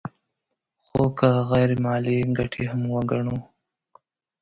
خو که غیر مالي ګټې هم وګڼو